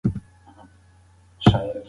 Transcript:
ښوونکي د علم لارې ښیي.